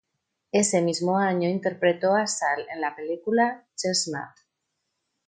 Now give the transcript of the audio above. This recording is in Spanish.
Ese mismo año interpretó a Sal en la película "Chestnut".